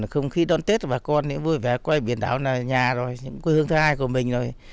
không khi đón tết thì bà con cũng vui vẻ quay biển đảo nhà rồi quê hương thứ hai của mình rồi